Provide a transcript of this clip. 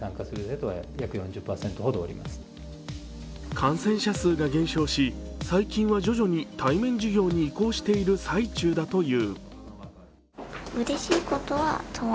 感染者数が減少し、最近は徐々に対面授業に移行している最中だという。